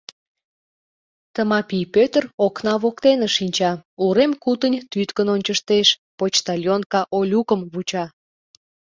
Тымапий Пӧтыр окна воктене шинча, урем кутынь тӱткын ончыштеш, почтальонка Олюкым вуча.